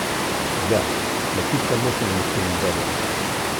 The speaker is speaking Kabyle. Ala, mačči d tamurt n mečč-imdanen!